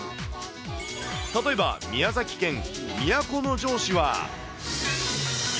例えば宮崎県都城市は。。